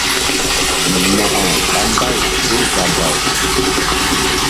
Mo̧ko ɓa mbay kézabaw.